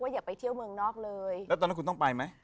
แล้วตอนนั้นคุณต้องไปไหม